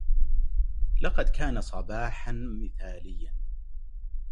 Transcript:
لقد كان صباحاً مثالياً.